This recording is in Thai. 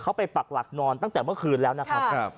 เขาไปปักหลักนอนตั้งแต่เมื่อคืนแล้วนะครับ